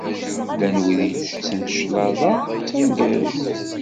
Llan wid itetten cclaḍa d taneggarut.